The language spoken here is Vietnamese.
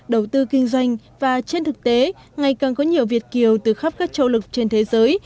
đầu tư kinh doanh và trên thực tế ngày càng có nhiều việt kiều từ khắp các châu lực trên thế giới